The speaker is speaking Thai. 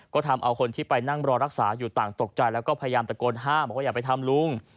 ก็ทำเอาคนที่ไปนั่งรอรักษาอยู่ต่างตกใจแล้วก็พยายามตะโกนห้ามบอกว่าอย่าไปทำลุง